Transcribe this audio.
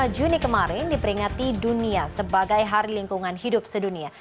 dua puluh juni kemarin diperingati dunia sebagai hari lingkungan hidup sedunia